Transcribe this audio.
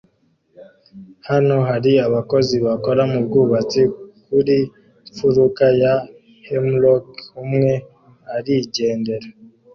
Hano hari abakozi bakora mubwubatsi kuri mfuruka ya Hemlock umwe arigendera